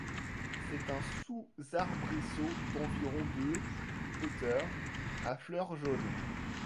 C'est un sous-arbrisseau d'environ de hauteur, à fleurs jaunes.